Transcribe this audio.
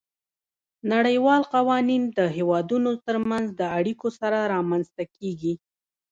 نړیوال قوانین د هیوادونو ترمنځ د اړیکو سره رامنځته کیږي